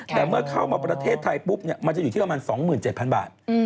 แต่เมื่อเข้ามาประเทศไทยปุ๊บมันจะอยู่ที่ประมาณ๒๗๐๐บาท